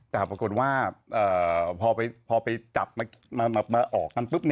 แต่ปรากฏว่าพอไปจับมาออกกันปุ๊บ